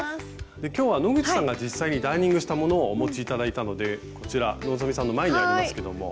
今日は野口さんが実際にダーニングしたものをお持ち頂いたのでこちら希さんの前にありますけども。